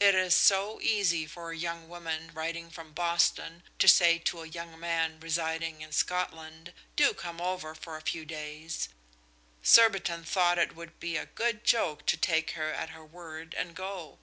It is so easy for a young woman writing from Boston to say to a young man residing in Scotland, "Do come over for a few days" Surbiton thought it would be a good joke to take her at her word and go.